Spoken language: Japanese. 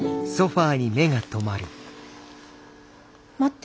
待って。